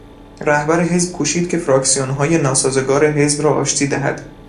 رهبر حزب کوشید که فراکسیونهای ناسازگار حزب را آشتی دهد.